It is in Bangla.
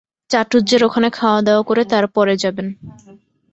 চাটুজ্জের ওখানে খাওয়া-দাওয়া করে তার পরে যাবেন।